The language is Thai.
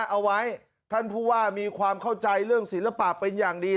เอาไว้ท่านผู้ว่ามีความเข้าใจเรื่องศิลปะเป็นอย่างดี